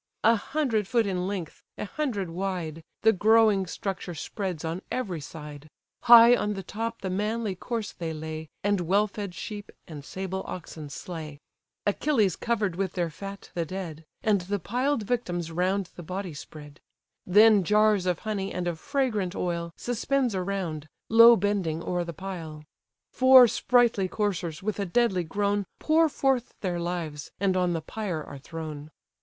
A hundred foot in length, a hundred wide, The growing structure spreads on every side; High on the top the manly corse they lay, And well fed sheep and sable oxen slay: Achilles covered with their fat the dead, And the piled victims round the body spread; Then jars of honey, and of fragrant oil, Suspends around, low bending o'er the pile. Four sprightly coursers, with a deadly groan Pour forth their lives, and on the pyre are thrown.